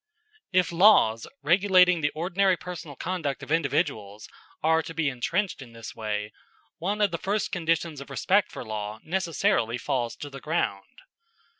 If laws regulating the ordinary personal conduct of individuals are to be entrenched in this way, one of the first conditions of respect for law necessarily falls to the ground.